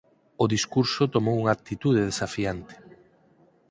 O discurso tomou unha actitude desafiante.